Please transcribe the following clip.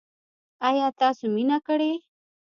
ایا تاسو مینه کړې؟